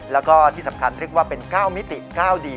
แล้วก็ที่สำคัญเรียกว่าเป็น๙มิติ๙ดี